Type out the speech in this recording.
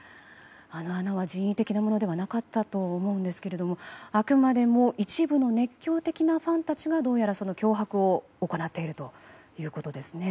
あの穴は人為的なものではなかったと思うんですけどあくまでも一部の熱狂的なファンたちがどうやら、その脅迫を行っているということです。